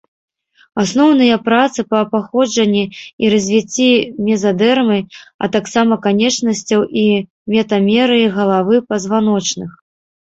Асноўныя працы па паходжанні і развіцці мезадэрмы, а таксама канечнасцяў і метамерыі галавы пазваночных.